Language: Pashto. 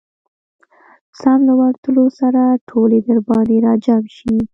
سم له ورتلو سره ټولې درباندي راجمعه شي.